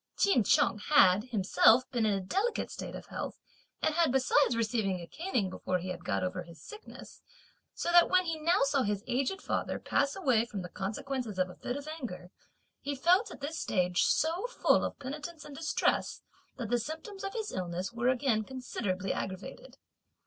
Ch'in Chung had himself ever been in a delicate state of health and had besides received a caning before he had got over his sickness, so that when he now saw his aged father pass away from the consequences of a fit of anger, he felt, at this stage, so full of penitence and distress that the symptoms of his illness were again considerably aggravated.